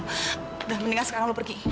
udah mendingan sekarang lu pergi